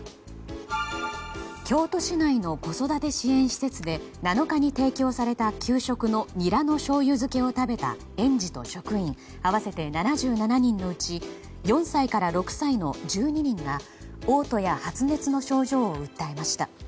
京都市内の子育て支援施設で７日に提供された給食のニラのしょうゆ漬けを食べた園児と職員合わせて７７人のうち４歳から６歳の１２人が嘔吐や発熱などの症状を訴えました。